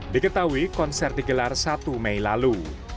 diketahui konser digelar satu mei lalu